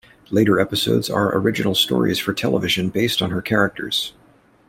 Later episodes are original stories for television based on her characters.